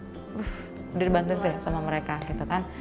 jadi udah dibantu deh sama mereka gitu kan